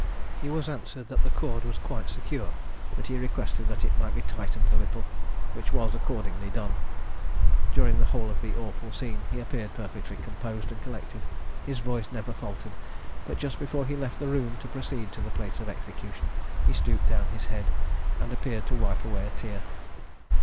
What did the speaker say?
He was answered that the cord was quite secure, but he requested that it might be tightened a little, which was accordingly done. During the whole of the awful scene he appeared perfectly composed and collected; his voice never faltered, but just before he left the room to proceed to the place of execution, he stooped down his head, and appeared to wipe away a tear.